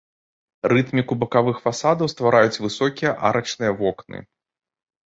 Рытміку бакавых фасадаў ствараюць высокія арачныя вокны.